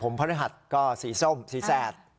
ผมพระอาทิตย์ก็สีส้มสีแสด